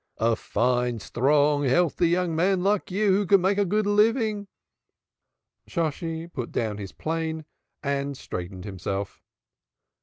A fine, strong, healthy young man like you, who can make a good living!" Shosshi put down his plane and straightened himself.